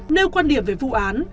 nếu quan điểm về vụ án